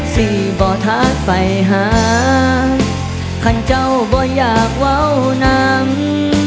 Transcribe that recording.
สิบ่ทักไปหาพันเจ้าบ่อยากว้างน้ำ